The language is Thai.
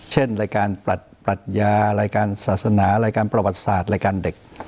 เช่นรายการปรัชญารายการศาสนารายการประวัติศาสตร์รายการเด็ก